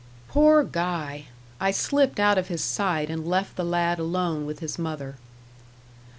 Poor Guy! I slipped out of his sight and left the lad alone with his mother.